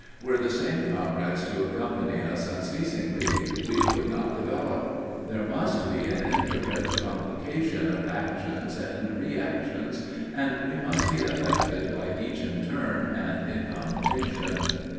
Were the same comrades to accompany us unceasingly we could not develop. There must be an intricate complication of actions and reactions, and we must be affected by each in turn and in combination.